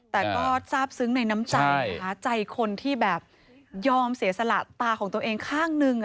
แต่ก็ทราบซึ้งในน้ำใจนะคะใจคนที่แบบยอมเสียสละตาของตัวเองข้างหนึ่ง